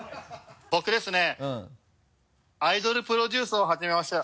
僕ですねアイドルプロデュースを始めました。